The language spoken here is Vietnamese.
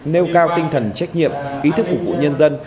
nêu cao tinh thần trách nhiệm ý thức phục vụ nhân dân